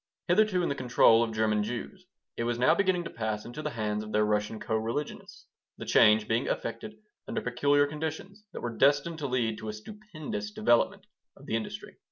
Hitherto in the control of German Jews, it was now beginning to pass into the hands of their Russian co religionists, the change being effected under peculiar conditions that were destined to lead to a stupendous development of the industry.